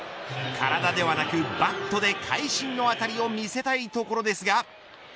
体ではなくバットで会心の当たりを見せたいところですが。